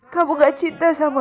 kamu gak cinta sama